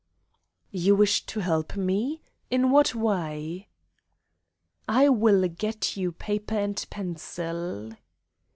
"You wish to help me? In what way?" "I will get you paper and pencil."